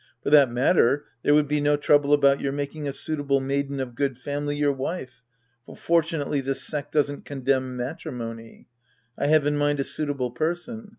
For that matter, there would be no trouble about your making a suitable maiden of good family your wife, for fortunately this sect doesn't condemn matri mony. I have in mind a suitable person.